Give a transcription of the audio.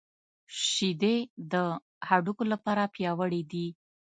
شیدې د هډوکو لپاره پياوړې دي